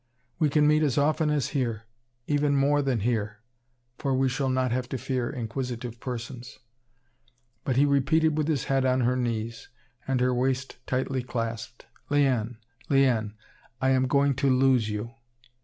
We can meet as often as here, even more than here, for we shall not have to fear inquisitive persons." But he repeated with his head on her knees, and her waist tightly clasped: "Liane, Liane, I am going to lose you!"